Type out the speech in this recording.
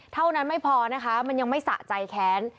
เท่านั้นไม่พอนะคะมันยังไม่สะใจแค้น